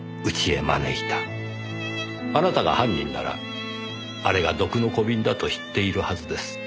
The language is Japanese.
あなたが犯人ならあれが毒の小瓶だと知っているはずです。